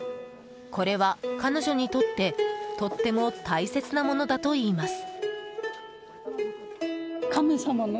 これは彼女にとってとっても大切なものだといいます。